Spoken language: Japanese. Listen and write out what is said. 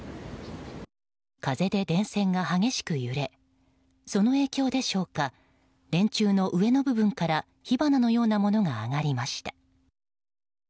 風で電線が激しく揺れその影響でしょうか電柱の上の部分から火花のようなものが上がりました。